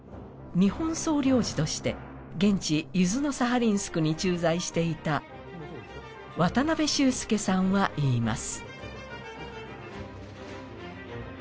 日本総領事として現地ユジノサハリンスクに駐在していた渡邊修介さんは言います。